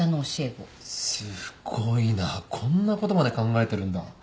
すごいなこんなことまで考えてるんだ。